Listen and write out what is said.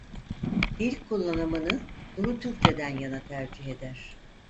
Dil kullanımını "duru Türkçe"den yana tercih eder.